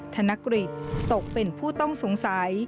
ธนกฤษตกเป็นผู้ต้องสงสัย